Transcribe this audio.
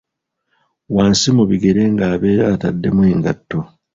Wansi mu bigere ng'abeera atademu engatto